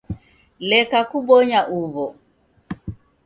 Leka kubonya uw'o